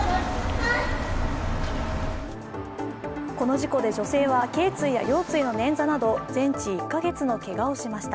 この事故で女性はけい椎や腰椎の捻挫など全治１か月のけがをしました。